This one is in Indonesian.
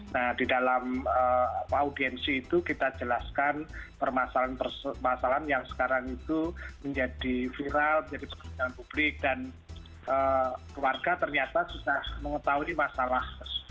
nah di dalam audiensi itu kita jelaskan permasalahan permasalahan yang sekarang itu menjadi viral menjadi pertanyaan publik dan keluarga ternyata sudah mengetahui masalah